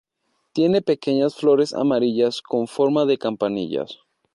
Tiene pequeñas flores amarillas con forma de campanillas.